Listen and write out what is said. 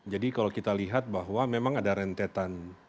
jadi kalau kita lihat bahwa memang ada rentetan